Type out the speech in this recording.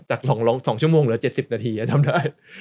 จากสองชั่วโมงแล้ว๗๐นาทีก็ทำได้